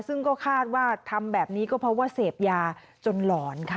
ซึ่งก็คาดว่าทำแบบนี้ก็เพราะว่าเสพยาจนหลอนค่ะ